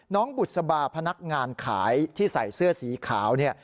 น้องบุษบาพนักงานขายที่ใส่เสื้อสีขาว